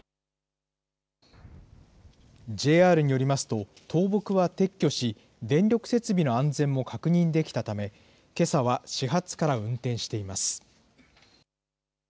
ＪＲによりますと、倒木は撤去し、電力設備の安全も確認できたため、けさは始発から運転しています。